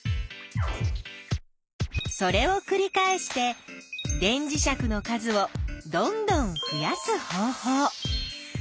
それをくり返して電磁石の数をどんどん増やす方法。